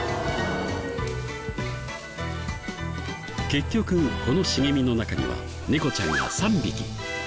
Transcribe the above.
結局この茂みの中には猫ちゃんが３匹。